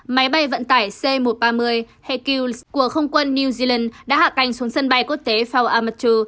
máy bay vận tải c một trăm ba mươi hecule của không quân new zealand đã hạ cánh xuống sân bay quốc tế fawamatu